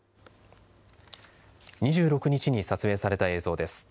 ２６日に撮影された映像です。